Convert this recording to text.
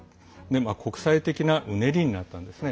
国際的なうねりになったんですね。